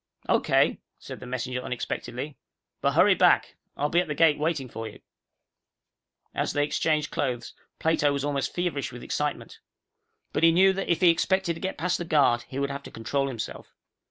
"Okay," said the messenger unexpectedly. "But hurry back. I'll be at the gate waiting for you." As they exchanged clothes, Plato was almost feverish with excitement. But he knew that if he expected to get past the guard, he would have to control himself.